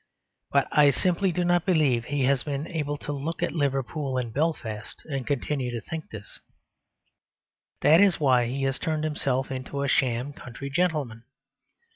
But I simply do not believe he has been able to look at Liverpool and Belfast and continue to think this: that is why he has turned himself into a sham country gentleman.